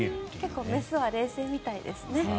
結構、雌は冷静みたいですね。